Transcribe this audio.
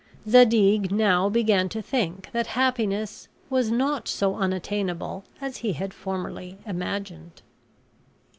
Zadig now began to think that happiness was not so unattainable as he had formerly imagined.